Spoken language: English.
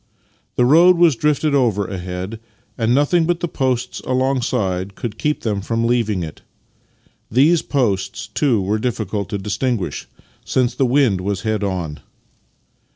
The road was drifted over ahead, and nothing but the posts alongside could keep them from leaving it. These posts, too, were diflicult to dis tinguish, since the wind was head on.